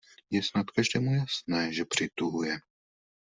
Je snad každému jasné, že přituhuje.